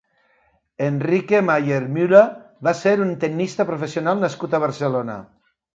Enrique Maier Müller va ser un tennista professional nascut a Barcelona.